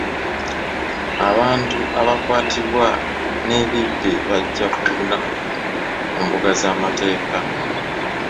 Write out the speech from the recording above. Abantu abakwatibwa n'ebibbe bajja kuvunaanwa mu mbuga z'amateeka .